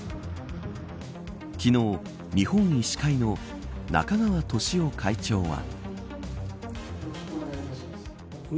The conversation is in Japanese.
昨日、日本医師会の中川俊男会長は。